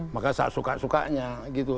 maka suka sukanya gitu